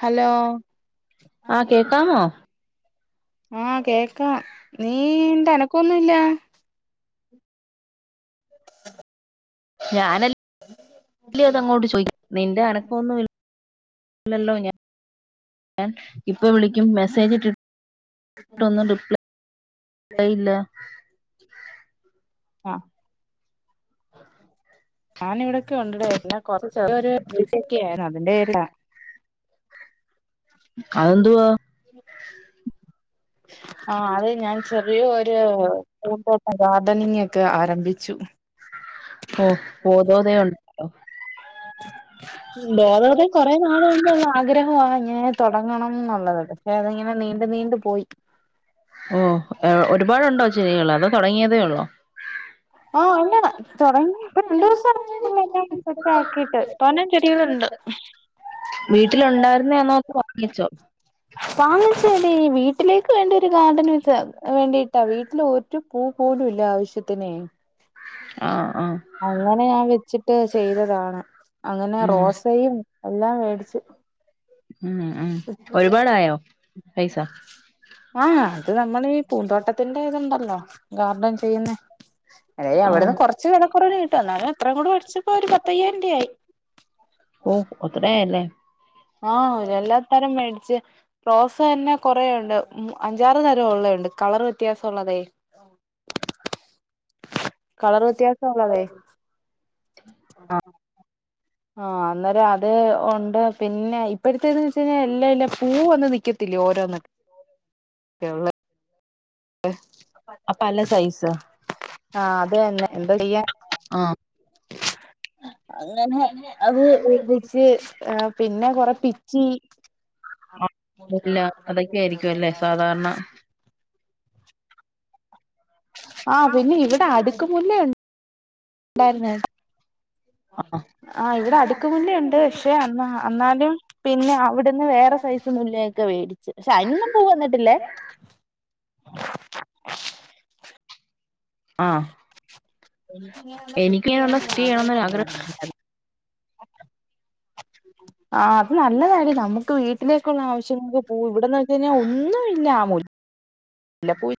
Hello ആഹ് കേക്കാമോ ആഹ് കേക്കാം നീ ഇന്റെ അനക്കം ഒന്നുമില്ല. ഞാന് അല്ലെ അങ്ങോട്ട് ചോദിക്കാ നിന്റെ അനക്കൊന്നു ഇല്ലല്ലോ ഞാൻ. ഇപ്പ വിളിക്കും മെസ്സേജ് ഇട്ടിട്ടൊന്നും റിപ്ലൈ ഇല്ല. ആഹ് ഞാൻ ഇവിടൊക്കെ [inaudible] കൊറച്ചൊക്കെ ആയിരുന്നു അതിന്റെ അതെന്തുവാ ആഹ് അത് ഞാൻ ചെറിയോരു [inaudible] ഗാർഡനിങ്ങ് ഒക്കെ ആരംഭിച്ചു ഓ [inaudible] [unintelligible] ബോധോദയം കുറെ നാള് കൊണ്ടുള്ള ആഗ്രഹവാ ഇങ്ങനെ തുടങ്ങണം എന്നുള്ളത് പക്ഷെ അതിങ്ങനെ നീ [unintelligible] നീണ്ട് പോയി ഓഹ് ഒരുപാടുണ്ടോ ചെടികൾ അതോ തുടങ്ങിയതേ ഉള്ളോ ആഹ് അല്ല തുടങ്ങി ഇപ്പൊ രണ്ടു ദിവസം ആയതേ ഒള്ള് എല്ലാം സെറ്റാ ക്കിട്ട് തോനെ ചെടികളുണ്ട് വീട്ടിലുണ്ടായിരുന്നയാന്നോ അതോ വാങ്ങിച്ചോ വാങ്ങിച്ചേടെ വീട്ടിലേക്ക് വേണ്ട ഒരു ഗാർഡന് വേണ്ടിയിട്ടാ വീട്ടില് ഒരു പൂ പോലും ഇല്ല ആവശ്യത്തിനെ ആഹ് ആഹ് അങ്ങനെ ഞാൻ വെച്ച്ട് ട്ട് ചെയ്തതാണെ അങ്ങനെ ഉം റോസയും എല്ലാം വേടിച്ച് ഉം ഉം [unintelligible] ഒരുപാടായോ പൈസ ആ അത് അമ്മളെ ഈ പൂന്തോട്ടത്തിന്റെ ഇത് ണ്ടല്ലോ ഗാർഡൻ പെയ്യുന്നെ അതെ അവിടുന്ന് ആഹ് കൊറച്ച് വിലക്കൊറവ്ന് കിട്ടും എന്നാലും അത്രയും കൂടെ വേട്ച്ചപ്പോ ഒരു പത്തയ്യായിരം രൂപ ഓ ആയി അത്രയായല്ലേ ആ എല്ലാ തരം വേണ്ടേ റോസ് തന്നെ കൊറെണ്ട് അഞ്ചാറ് തരംഒള്ളണ്ട് കളർ വ്യത്യാസം ഉള്ളത് കളറ് വ്യത്യാസള്ളത് ആ അന്നേരം അത് ഒണ്ട് പിന്നെ ഇപ്പഴത്തേന്ന് വെച്ചഴിഞ്ഞാ എല്ലാ അയ്ൻ്റ പൂവ് ഒന്നും നിക്കത്തില്ല ഓരോന്ന് ക് ള്ളെ ഹെ അപ്പല സൈസ ആ അത് ന്നെ എന്താ ചെയ്യാ ആഹ് അങ്ങനെ അത് [unintelligible] ഏ പിന്നെ കൊറെ പിച്ചി ഇല്ല അതൊക്കെ ആയിരിക്കും അല്ലേ സാധാരണ ആ പിന്നെ ഇവിടെ അടുക്ക മുല്ലയുണ്ട് ണ്ടായിരുന്നെ ആഹ് ആ ഇവിടെ അടുക്ക മുല്ലയുണ്ട് പക്ഷെ ആ അന്നാലും പിന്നെ അവിടുന്ന് വേറെ സൈസ് മുല്ലയൊക്കെ വേടിച്ച് പക്ഷെ അയ്നൊന്നും പൂ വന്നിട്ടില്ലേ ആഹ് ഇങ്ങനെയുള്ള എനിക്ക് സുറ്റി ഇങ്ങനെയുള്ള യൊക്കെ സെറ്റ് ആഗ്രഹം ചെയ്യണംന്നൊരു ഉണ്ടായ്രുന്നു ഉണ്ടായിരുന്നു ആ അത് നല്ല കാര്യം നമുക്ക് വീട്ടിലേക്കുള്ള ആവശ്യങ്ങക്ക് പൂവ് ഇവിടെന്ന് വെച്ച് കഴിഞ്ഞാൽ ഒന്നും ഇല്ലാ ആമൂൽ ഇല്ല പോയി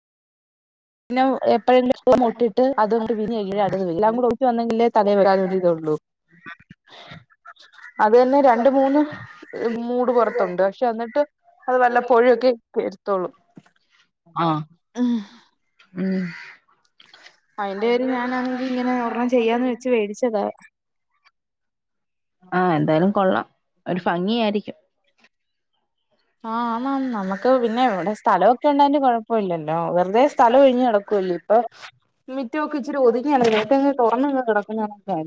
നൗ എപ്പോഴെങ്കിലും മൊട്ടിട്ട് അത് വിരി [unintelligible] എല്ലാകൂടെ കൂടെ ഒത്ത് വന്നെങ്കിലേ തക [unintelligible] അതന്നെ രണ്ട് മൂന്ന് മൂട് പുറത്തുണ്ട് പക്ഷെ അന്നിട്ട് അത് വല്ലപ്പൊഴൊക്കെ [inaudible] തൊള്ളൂ ആ മ് അയ്ന്റെ പേരിൽ ഞാാനാണെങ്കി ങ്ങനെ ഒർണം ചെയ്യാന്ന് വെച്ച് വേടിച്ചതാ ആ എന്തായാലും കൊള്ളാം ഒരു ഫങ്ങിയായിരിക്കും ആണോ നമ്മുക്ക് പിന്നെ ഇവിടെ സ്ഥലൊക്കെ ണ്ടന് കൊഴപ്പ ല്ലല്ലോ വെറുതെ സ്ഥലം ഒഴിഞ്ഞ് കിടക്കുവല്ലേ ഇപ്പൊ മിക് മുറ്റൊക്കെ ഇച്ചിരി ഒതുങ്ങിയല കിടക് ഇതങ് തുറന്ന് അങ് കിടക്കുന്ന കാണുബെ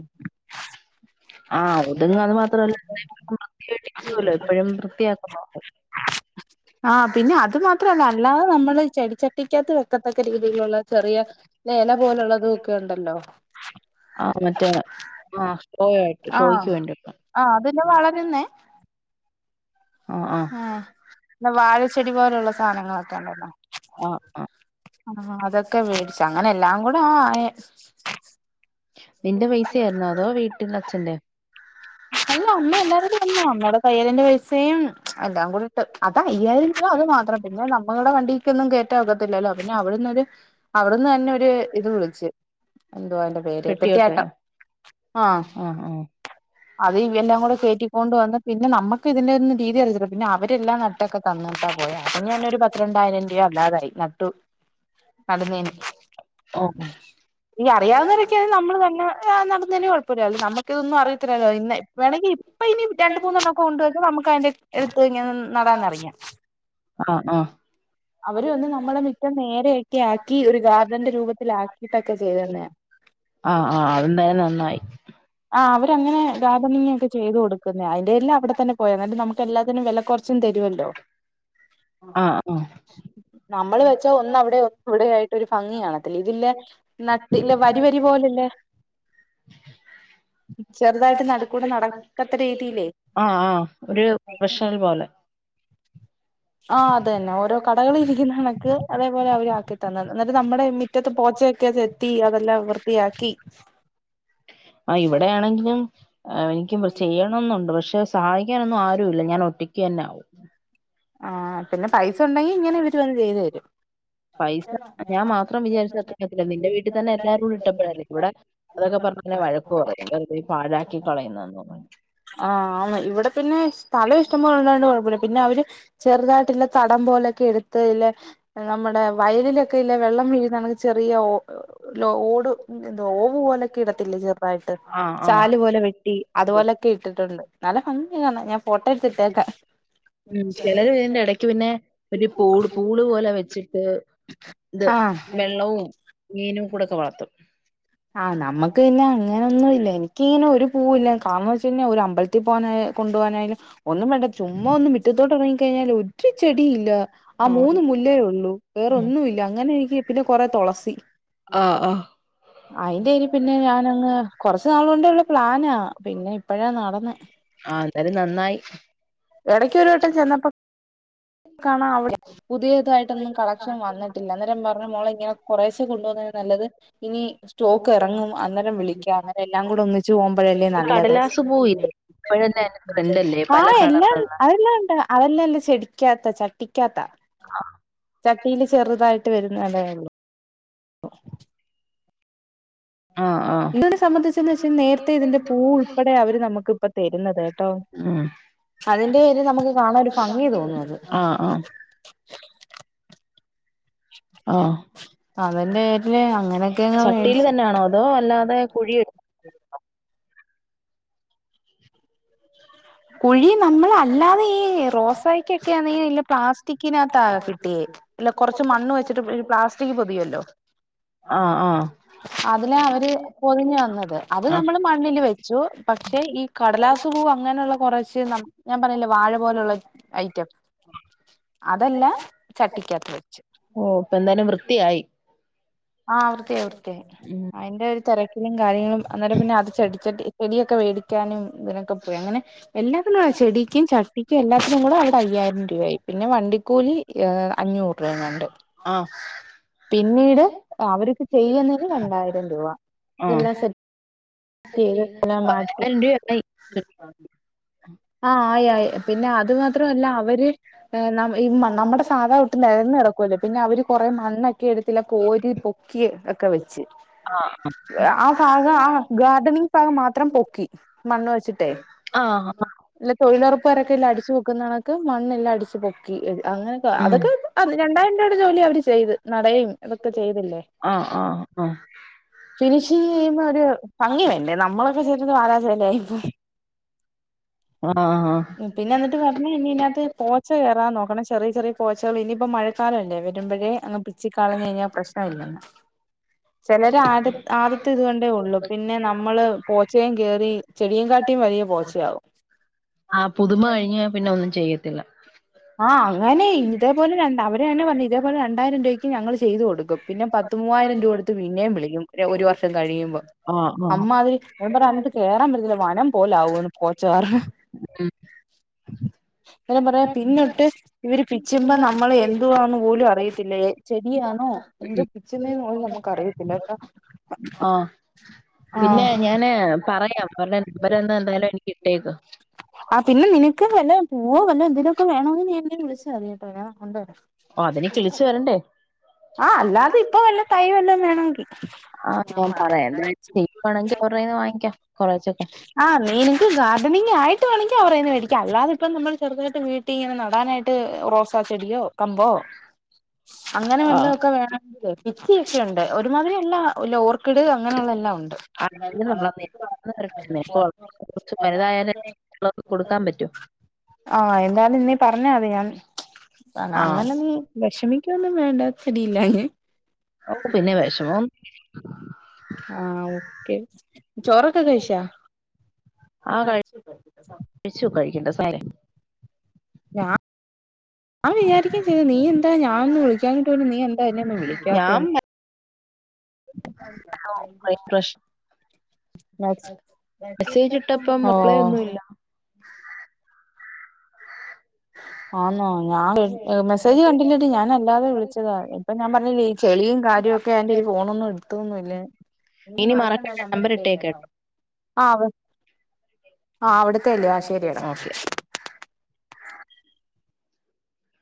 ആഹ് ഒതുങ്ങ അത് മാത്രമല്ല [unintelligible] എപ്പോഴും വൃത്തിയായിട്ടിരിക്കുമല്ലോ എപ്പോഴും വൃത്തിയാക്കുന്നു ആ പിന്നെ അത് മാത്രല്ല അല്ലാതെ നമ്മള് ചെടിച്ചട്ടിക്കകത്ത് വെക്കത്തക്ക രീതിയിലുള്ള ചെറിയ നെ എല പോലുള്ളത് ഒക്കെ ഉണ്ടല്ലോ ആഹ മറ്റേ ആ ആഹ ആ അതിന്നെ വളരുന്നേ ആഹ് ആഹ ആഹ് ഇന്ന് വാഴച്ചെടി പോലുള്ള സാധനങ്ങളൊക്കെ ഉണ്ടല്ലോ ആഹ ആ ആ അതൊക്കെ മേടിച്ച അങ്ങനെ എല്ലാം കൂടെ ആ നിന്റെ പൈസായായിരുന്നോ അതോ വീട്ടില അച്ഛന്റെ അല്ല അമ്മ എല്ലാരും അമ്മ നോടക്ക പയ്യലന്റെ പൈസയും എല്ലാം കൂടി അത് അയ്യായിരിക്കോ അത് മാത്രം പിന്നെ മകളുടെ വണ്ടിക്ക് ഒന്നും കേയറ്റ ഒകത്തില്ലല്ലോ പിന്നെ അവിടുന്നൊരു അവിടുന്ന് തന്നെ ഒരു ഇത് വിളിച്ച് എന്തുവാ അന്റെ പേര് തെട്ടിയാട്ട പെട്ടിയോട്ടയോ ആഹ ആഹ് ആഹ് അത് ഇവ എല്ലാം കൂടെ കയറ്റിക്കൊണ്ട് വന്ന പിന്നെ നമ്മുക്ക് ഇതിന്റെ ഒന്ന് രീതി അറിച്ചിട്ട പിന്നെ അവരെല്ലാം നട്ടൊക്കെ തന്നിട്ടാ പോയാ അത് ഒരു പത്തിത്രണ്ടായിരം രൂപ അല്ലാതായി നട്ടു നടുന്നേന് ഓ ഈ അറിയാവുന്നവൊക്കെയ നമ്മള് തന്നെ നടന്നേും കുഴപ്പമില്ലല്ല നമക്കിതൊന്നും അറിയത്തില്ലല്ലോ വേണങ്കിൽ ഇപ്പ ഇനി രണ്ട മൂന്നെണ്ണം ഒക്കെ കൊണ്ട് പോയിട്ട് നമുക്ക് അതി അടുത്ത് നടന്നറിയാം ആഹ് ആഹ് അവര് വന്നു നമ്മുടെ മിറ്റം ക്യാക്കി ഒരു ഗാർഡന്റെ രൂപത്തി ആക്കിട്ടൊക്കെ ചെയ്ത തന്ന ആഹ് ആഹ് അതെന്തായാലും നന്നായി ആ അവരങ്ങനെ ഗാർഡനിങ്കോക്കെ ചെയ്തുകൊടുക്കുന്നെ അയിന്റെ എല്ലാം ഇവിടെത്തന്നെ പോയ എന്നായട്ട് നമുക്ക് എല്ലാത്തിനും വില കുറച്ചും തരുല്ലോ ആഹ് ആഹ് നമ്മള് വെച്ച ഒന്നവിടെ ഒന്ന്ടെ ആയി ഒരു ഭംഗിയ കാണത്തില്ല ഇതില്ല നട്ടല്ല വരി വരി പോലല്ലേ ചെറുതായിട്ട് നടുകൂടെ നടക്കത്ത രീതിയിൽ ആഹ് ആഹ് ഒരു പ്രൊഫഷണൽ പോലെ ആ അതന്നെ ഓരോ കടകളിൽ ഇരിക്കുന്ന കണക്ക് അതെ പോലെ [unintelligible] എന്നിട്ട് നമ്മുടെ മുറ്റത്ത് പോച്ചയൊക്കെ ചെത്തി അതെല്ലാം വൃത്തിയാക്കി ആ ഇവിടെയാണെങ്കിലും എനിക്ക ചെയ്യണം എന്നുണ്ട് പക്ഷെ സഹായിക്കാനൊന്നും ആരും ഇല്ല ഞാൻ ഒറ്റ കെനൗ ആ പിന്നെ പൈസ ഉണ്ടെങ്കിയിങ്ങെനെ വി ചെയ്ത് തെരും പൈസ ഞാൻ മാത്രം വിചാരിച്ചത്രത്തില്ല. നിന്റെ വീട്ടിൽ തന്നെ എല്ലാരുടിട്ടപ്പഴല്ലേ. ഇവിടെ അതൊക്കെ പറഞ്ഞിട്ടുണ്ടേയെന്നെ വഴക്ക് പറയും തരും വെറുതെ പാഴാക്കി കളയുന്നെന്ന് പറഞ്ഞ്. ആഹ് ആണ്. ഇവടെ പിന്നെ സ്ഥലയിഷ്ടം പോലെ ണ്ടായിരുന്നൊണ്ട് കൊഴപ്പമല്ല. പിന്നെ അവര് ചെറുതായിട്ടുള്ള തടം പോലെയ്ക്കെ എടുത്ത് നമ്മുടെ വയലിലൊക്കെ ഇല്ല വെള്ളം വീഴുന്നണക്ക് ചെറിയ ഓട് എ ഓവ് പോലെക്കെ ഇടത്തിടല്ലേ ചെറുതായിട്ട് ആ ആ ചാല് പോലെ വെട്ടി അതുപോലെ. തൊണ്ട് നല്ല ഭംഗിണ്ട് കാണാൻ ഞാൻ ഫോട്ടോ എടുത്തിട്ടേക്കേം. ഉം. ചെലര് ഇതിന്റെ ഇടക്ക് പിന്നെ ഒരു പൂ പൂള് പോലെ വെച്ചിട്ട് ഇത് ആഹ് വെള്ളവും മീനു കൂടെ വളർത്തും ആഹ്, നമ്മെക്ക് പിന്നെ അങ്ങനെയൊ ഒന്നൂല്ല എനിക്ക് ഇങ്ങനെ ഒരു പൂവുല. കാരണവെച്ചഴിഞ്ഞാൽ ഒരമ് അമ്പലത്തിൽ പോകാനേ കൊണ്ടു പോയാനായാലും ഒന്നും വേണ്ട ചുമ്മാ ഒന്നു മിറ്റത്തോട്ടെറങ്ങി. കഴഞ്ഞാൽ ഒറ്റ് ചെടിയില്ല. ആ ആഹ് മൂന്ന് മുല്ലേ ഒള്ളൂ. വേറൊന്നുല്ല അങ്ങനെയിരിക്കേ. പിന്നെ കൊറെ തൊളസി ആഹ് ആഹ് അയിന്റയിതിൽ പിന്നെ ഞാനങ്ങ്, കൊറച്ച് നാളെണ്ടുള്ള പ്ലാനാ പിന്നെ ഇപ്പഴാ നടന്നേ. ആ എന്തായാലും നന്നായി എടക്ക് ഒരു വട്ടം ചെന്നപ്പോ കാണ അവിടെ പുതിയതായിട്ടൊന്നും കളക്ഷൻ വന്നിട്ടില്ല അന്നേരം പറഞ്ഞു മോളെ ഇങ്ങനെ കൊറേശെ കൊണ്ടപ്പോന്നതിലും നല്ലത് ഇനി സ്റ്റോക്ക് ഇറങ്ങും അന്നേരം വിളിക്കാം അന്നരം എല്ലാം കൂടെ ഒന്നിച്ച് പോമ്പ ല്ലേ ഈ നല്ലത് കടലാസ് പൂവില്ലേ ഇപ്പഴല്ലേ അതിന്റെ ട്രെൻഡല്ലേ ആ പല എല്ലാം കളറിലുള്ള അതെല്ലാം ഒണ്ട് അതെല്ല എന്റെ ചെടിക്കാത്ത ചട്ടിക്കാത്ത ചട്ടില് ചെറുതായിട്ട് വരുന്നതേ ഒള്ളൂ [unintelligible] ആഹ് ആഹ് ഇതിനെ സംബന്ധിച്ചെന്ന് വെച്ചാ നേരത്തെയിതിന്റെ പൂയുൾപ്പെടെയാ അവര് നമ്മെക്ക് ഇപ്പ തെരുന്നത് ട്ടോ ഉം അതിന്റെയൊര് നമ്മെക്ക് കാണാരു ഭംഗി തോന്നും അത്. ആഹ് ആഹ് ആ അതിന്റെ പേരില് അങ്ങനെയൊക്കെ അങ്ങ് ചട്ടിയില് മേടിച്ച് തന്നെയാണോ അതോ അല്ലാതെ കുഴിയെടുക്കു കുഴീ നമ്മള് അല്ലാതെ ഈ റോസായ്കെക്കെ ആന്നെല്ലേ പ്ലാസ്റ്റിക്കിനകത്താ കിട്ടിയേ ഇല്ല കൊറച്ച് മണ്ണ് വെച്ചിട്ട് ഈ പ്ലാസ്റ്റിക് പൊതിയുല്ലോ ആഹ് അതിലാ അവര് പൊതിഞ്ഞ് തന്നത് അത് ആഹ് നമ്മള് മണ്ണില് വെച്ചു പക്ഷെ ഈ കടലാസ് പൂവ് അങ്ങനൊള്ള ക്ഷെ നം ഞാൻ പറയിലേ വാഴ പോലൊള്ളര് ഐറ്റം. അതെല്ലാം ചട്ടിക്കകത്ത് വെച്ചു. ഓ ഇപ്പൊ എന്തായാലും വൃത്തിയായി ആഹ് വൃത്തിയായി വൃത്തിയായി ഉം അതിന്റെ ഒരു തെരക്കിലും കാര്യങ്ങളും അന്നേരം പിന്നെ അത് ചെടിച്ചട്ടി ചെടിയൊക്കെ മേടിക്കാനും ഇതിനൊക്കെ പോന് എല്ലാത്തിനും ചെടിക്കും ചട്ടിക്കും എല്ലാത്തിനും കൂടെ ഒരു അയ്യായിരം രൂപയായി പിന്നെ വണ്ടിക്കൂലി ഏ അഞ്ഞൂറ് രൂപങ്ങാണ്ട് ആഹ് പിന്നീട് അവര്ക്ക് ചെയ്യുന്നത് രണ്ടായിരം രൂപ ഇതെല്ലാം സെറ്റാ ക്കിയത് അതങ്ങ് ആയിപോയി രണ്ടായിരം രൂപയായി ആയി ആയി പിന്നെ അത് ത്രല്ല അവര് ഈ നമ്മുടെ സാധാട്ട് കുട്ട് നേരാന്ന് കിടക്കുല്ലോ പിന്നെ അവര് കൊറെ മണ്ണൊക്കെ എടുത്തിട്ട് കോരി പൊക്കി ഒക്കെ വെച്ച് ആ ആക ഭാഗം ആ ഗാർഡനിങ് ഭാഗം മാത്രം പൊക്കി മണ്ണ് വെച്ചിട്ടേ ആഹ് തൊഴിലുറപ്പ് കാരെല്ലാം അടിച്ചു പൊക്കുന്ന കണക്ക് മണ്ണെല്ലാം അടിച്ചു പൊക്കി അങ്ങനൊക്കെ ഉം അതൊക്കെ രണ്ടായിരം രൂപയുടെ ജോലി അവർ ചെയ്ത് നടയും അതൊക്കെ ചെയ്തല്ലോ ആഹ് ആഹ് ആഹ് ഭംഗിവേണ്ടേ നമ്മളൊക്കെ ചെയ്ത് വാരാചല ആയിപ്പോ ആഹ് ആഹ് പിന്നെ എന്നിട്ട് പറഞ്ഞ ഇനി ഇതിനകത്ത് പോച്ച കയറാതെ നോക്കണം ചെറിയ ചെറിയ പോച്ചകൾ ഇനിയിപ്പോ മഴക്കാലല്ലേ വരുമ്പോഴേ അങ്ങ് പിച്ച കഴിഞ്ഞാൽ പ്രശ്ന ഇല്ലെന്ന് ചിലര് ആ ആദ്യത്തെ ഇതുകാണ്ടേ ഉള്ളൂ നമ്മള് പോച്ചയും കേറി ചെടിയും കാട്ടിലും വലിയ പോച്ചയാകും ആ പുതുമ കഴിഞ്ഞ് പിന്നെ ഒന്നും ചെയ്യത്തില്ല ആഹ് അങ്ങനെ ഇതേപോലെ രണ്ട് അവര്ങ്ങനെ പറഞ്ഞു ഇതേപോലെ ആയിരം [unintelligible] ഞങ്ങള് ചെയ്ത് കൊടുക്കും പിന്നെ പത്ത് മൂവായിരം രൂപ കൊടുത്തു പിന്നേം വിളിക്കും ഒരു വർഷം കഴിയുമ്പോ ആഹ് ആഹ് അമ്മാതിരി ഞാൻ പറ അങ്ങോട്ട് കേയറൻ പറ്റത്തില്ല വനം പോലെ ആകൂന്ന് കോച്ചാർ മ്മ് [unintelligible] [unintelligible] പിന്നോട്ട് ഇവര് പിച്ചുനന നമ്മൾ എന്ത്വ്വാന്ന് പോലും അറിയത്തില്ല ചെടിയാണോ എന്തോ പിച്ചുന്നേ പോലും നമുക്ക് അറിയത്തില്ലട്ടോ ആ പിന്നെ ആഹ് ഞാന് ഇറ്റക്കു ആ പിന്നെ നിനക്ക് പോ വല്ലതും എന്തെലൊക്കെ വേണോകി എന്തെങ്കിലും വിളിച്ചാ മതീട്ടോ ഞാഞാൻ കൊണ്ടുവരാ ഓ അതിനി കിളിച്ചു വരണ്ടേ ആ [inaudible] അല്ലാതെ ഇപ്പൊ വല്ല തൈ വല്ലോം വേണമെങ്കിൽ ആ ഞാൻ പറയാം [unintelligible] അവരുന്ന് വാങ്ങിക്കാം കൊറേച്ചൊക്കെ ആഹ് വേണെങ്കിൽ ഗാർഡനിങ് ആയിട്ടുവേണോങ്കിൽ അവരെന്നു മേടിക്ക അല്ലാത ഇപ്പ നമ്മൾ ചെറുതയിട്ട് ഇങ്ങനെ നടാനായിട്ട് റോസ് ചെടിയോ കമ്പോ അങ്ങനെ ആഹ് വല്ലൊക്കെ വേണോങ്കിൽ ചെത്തി ഒക്കെ ഉണ്ട് ഒരുമാതിരി എല്ലോ [inaudible] ലോ ക്കിട് അങ്ങനെയുള്ള എല്ലാം ഉണ്ട് ആ എങ്കിലും നമ്മളത് [inaudible] നിനക്ക് തരട്ടെ. നിനക്ക് വളർന്ന് കുറച്ച് വലുതായാലേ മറ്റുള്ളവർക്ക് കൊടുക്കാൻ പറ്റൂ. ആ എന്താലും നീ പറഞ്ഞാ മതി ഞാൻ ആ അങ്ങനെ നീ വിഷമിക്കൊന്നും വേണ്ട ചാടി ഇല്ലാഞ്ഞ അപ്പൊ പിന്നെ വിഷമം ആഹ് ഓക്കെ ചോറൊക്കെ കഴിച്ചോ ആ ആഹ് കഴിച്ചു കഴിച്ചു കഴിക്കണ്ട നേരം ആയി ഞ ഞാൻ വിചാരിക്കാൻ ചെയ്ത് നീ എന്താ ഞാനൊന്ന് വിളിക്കാഞ്ഞിട് പോലും നീ എ എന്താ എന്നെ ഒന്നും ഞാൻ വിളിക്കാത്തേന് പ്രശ്നം [inaudible] മെസ്സേജ് ആഹ് ഇട്ടപ്പം റിപ്ലൈ ഒന്നുമില്ല. ഓ. ആന്നോ ഞാൻ മെസ്സേജ് കണ്ടില്ല ഡി ഞാനല്ലാതെ വിളിച്ചതാ ഇപ്പൊ ഞാൻ പറഞ്ഞില്ലേ ചെളിയും കാര്യമൊക്കെ ആയോണ്ട് ഫോൺ ഒന്നും എടു തോന്നുല്ലേ ഇനി മറക്കണ്ട നമ്പർ ഇട്ടേക്കട്ടോ ആഹ്. ആഹ് അവിടത്തെല്ലേ ആഹ് ശരിയടാ. ഓക്കെ.